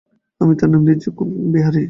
আমি তার নাম দিয়েছি কোণবিহারী।